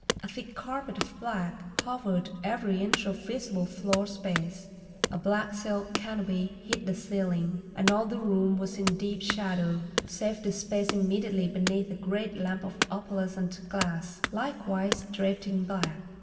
A thick carpet of black covered every inch of visible floor space, a black silk canopy hid the ceiling, and all the room was in deep shadow save the space immediately beneath a great lamp of opalescent glass, likewise draped in black.